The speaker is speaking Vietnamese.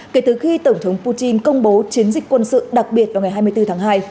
kể từ khi tổng thống putin công bố chiến dịch quân sự đặc biệt vào ngày hai mươi bốn tháng hai